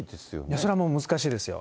それはもう難しいですよ。